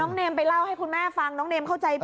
เนมไปเล่าให้คุณแม่ฟังน้องเนมเข้าใจผิด